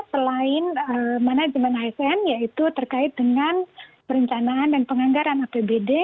selain manajemen asn yaitu terkait dengan perencanaan dan penganggaran apbd